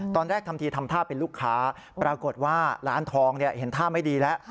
ตอนแรกทำทีทำท่าเป็นลูกค้าปรากฏว่าร้านทองเห็นท่าไม่ดีแล้ว